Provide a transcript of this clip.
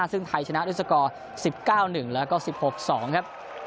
ซึ่งไทยชนะด้วยสกอร์๑๙๑แล้วก็๑๖๒ครับ